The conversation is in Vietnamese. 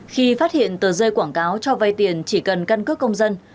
khi phát hiện tờ rơi quảng cáo cho vay tiền chỉ cần căn cước công dân